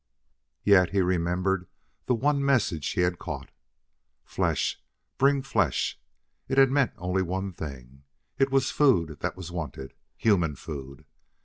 Yet he remembered the one message he had caught: "Flesh! Bring flesh!" It had meant only one thing: it was food that was wanted human food!